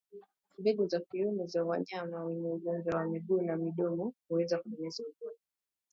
Mbegu za kiume za wanyama wenye ugonjwa wa miguu na midomo huweza kueneza ugonjwa